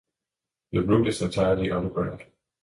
The route is entirely underground.